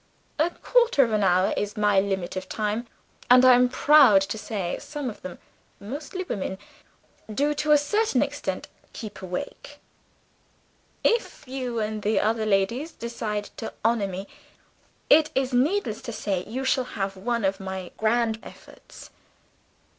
A quarter of an hour is my limit of time; and, I am proud to say, some of them (mostly the women) do to a certain extent keep awake. If you and the other ladies decide to honor me, it is needless to say you shall have one of my grand efforts.